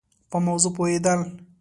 په موضوع پوهېد ل